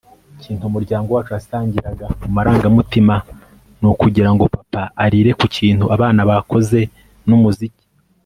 ikintu umuryango wacu wasangiraga mu marangamutima ni ukugira ngo papa arire ku kintu abana bakoze n'umuziki